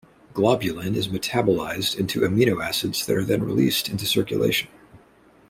Globulin is metabolised into amino acids that are then released into circulation.